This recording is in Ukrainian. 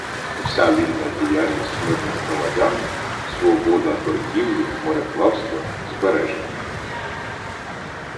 Вся вільна діяльність мирних громадян, свобода торгівлі, мореплавства — збережені.